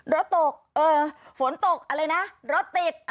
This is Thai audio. รถตกเออฝนตกอะไรนะรถติด